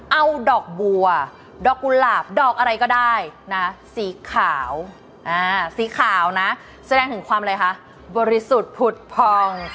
เอาดอกบัวดอกกุหลาบดอกอะไรก็ได้นะสีขาวสีขาวนะแสดงถึงความอะไรคะบริสุทธิ์ผุดพอง